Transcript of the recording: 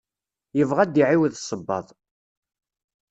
Yebɣa ad d-iɛiwed sebbaḍ.